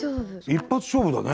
一発勝負だね。